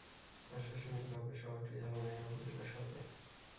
প্রশাসনিকভাবে শহরটি ছাগলনাইয়া উপজেলার সদর।